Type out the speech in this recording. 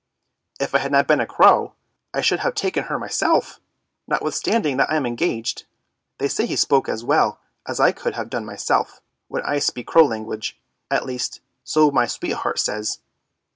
"" If I had not been a crow, I should have taken her myself, notwithstanding that I am engaged. They say he spoke as well as I could have done myself, when I speak crow language; at least so my sweetheart says.